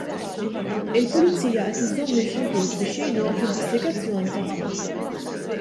Il-Pulizija qed iżżomm lil xi wħud biex jgħinuha fl-investigazzjoni tagħha.